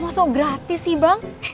masuk gratis sih bang